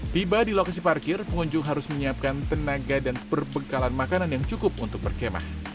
tiba di lokasi parkir pengunjung harus menyiapkan tenaga dan perbekalan makanan yang cukup untuk berkemah